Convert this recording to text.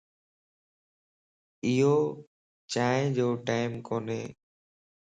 ايو چائين جو ٽيم ڪوني